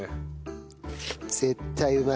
絶対うまい。